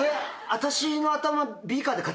私の頭ビーカーでかち割った？